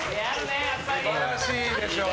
素晴らしいでしょう。